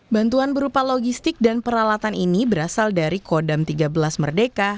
bantuan berupa logistik dan peralatan ini berasal dari kodam tiga belas merdeka